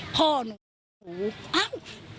พ่อหนูหูอ้าว